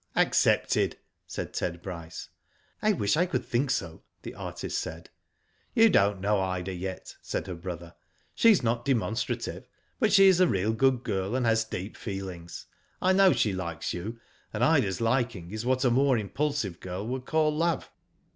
" Accepted," said Ted Bryce. "I wish I could think so," the artist said. "You don't know Ida yet," said her brother. "She is not demonstrative, but she is a real good girl, and has deep feelings. I know she likes you, and Ida's liking is what a more impulsive girl would call love."